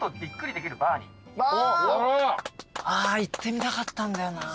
あ行ってみたかったんだよな。